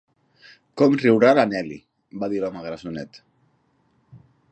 "Com riurà la Nellie," va dir l'home grassonet.